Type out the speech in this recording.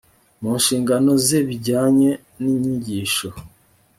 mu nshingano ze ibijyanye n inyigisho